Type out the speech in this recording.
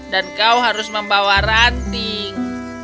dan kau harus membawa ranting